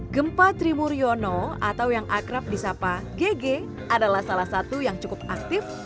gempa trimuryono atau yang akrab di sapa gg adalah salah satu yang cukup aktif